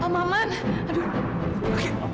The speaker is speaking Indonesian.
papa udah udah udah